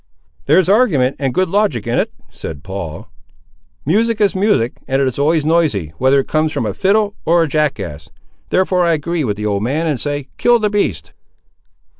"There's argument and good logic in it," said Paul; "music is music, and it's always noisy, whether it comes from a fiddle or a jackass. Therefore I agree with the old man, and say, Kill the beast."